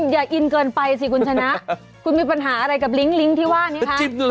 อย่าอินเกินไปสิคุณชนะคุณมีปัญหาอะไรกับลิ้งลิ้งที่ว่านี้คะ